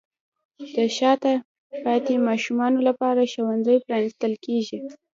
د شاته پاتې ماشومانو لپاره ښوونځي پرانیستل کیږي.